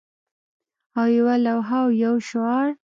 او یوه لوحه او یو شعار